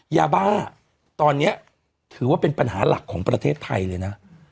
ยาบ้าตอนนี้ถือว่าเป็นปัญหาหลักของประเทศไทยเลยนะ